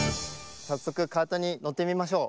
さっそくカートにのってみましょう。